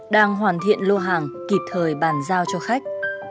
đang hoàn thiện lô hàng kịp thời bàn giao cho khách